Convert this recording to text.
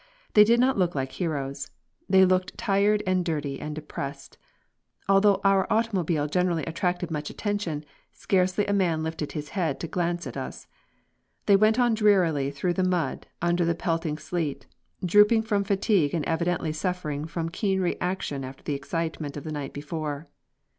They did not look like heroes; they looked tired and dirty and depressed. Although our automobile generally attracted much attention, scarcely a man lifted his head to glance at us. They went on drearily through the mud under the pelting sleet, drooping from fatigue and evidently suffering from keen reaction after the excitement of the night before.